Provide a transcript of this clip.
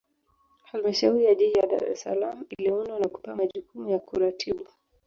Halmashauri ya Jiji la Dar es Salaam iliundwa na kupewa majukumu ya kuratibu